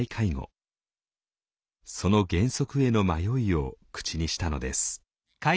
その原則への迷いを口にしたのです。